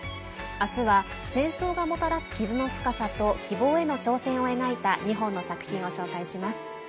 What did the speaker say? あすは戦争がもたらす傷の深さと希望への挑戦を描いた２本の作品を紹介します。